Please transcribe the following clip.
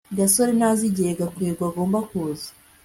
gasore ntazi igihe gakwego agomba kuza